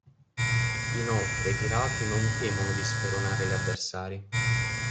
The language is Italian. Inoltre i pirati non temono di speronare gli avversari.